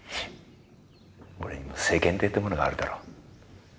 俺にも世間体ってものがあるだろ。